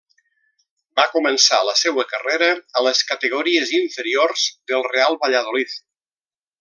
Va començar la seua carrera a les categories inferiors del Real Valladolid.